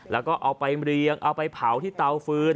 แล้วก็เอาไปเรียงเอาไปเผาที่เตาฟื้น